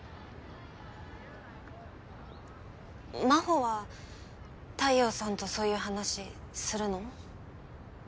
真帆は太陽さんとそういう話するの？